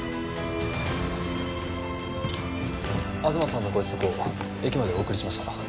東さんのご子息を駅までお送りしました。